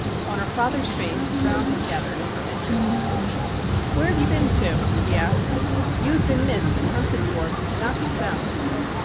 On her father's face a frown had gathered at her en trance. ' Where have you been to ?' he asked. ' You have been missed and hunted for, but could not be found.'